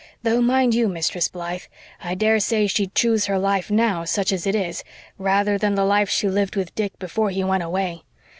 Though, mind you, Mistress Blythe, I daresay she'd choose her life now, such as it is, rather than the life she lived with Dick before he went away.